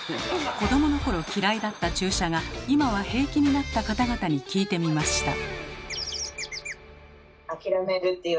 子どものころ嫌いだった注射が今は平気になった方々に聞いてみました。